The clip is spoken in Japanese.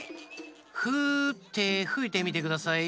フーッてふいてみてください。